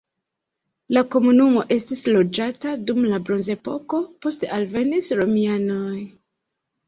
La komunumo estis loĝata dum la bronzepoko, poste alvenis romianoj.